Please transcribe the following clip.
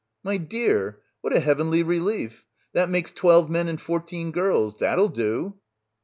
"My dear! What a heavenly relief. That makes twelve men and fourteen girls. That'll do."